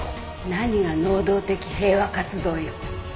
何が能動的平和活動よ。